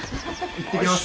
行ってきます。